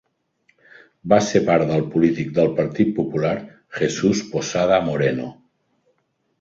Va ser pare del polític del Partit Popular Jesús Posada Moreno.